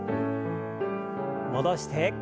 戻して。